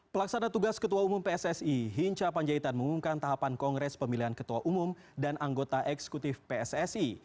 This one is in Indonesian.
pelaksana tugas ketua umum pssi hinca panjaitan mengumumkan tahapan kongres pemilihan ketua umum dan anggota eksekutif pssi